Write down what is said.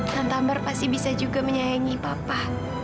tante amar pasti bisa juga menyayangi papa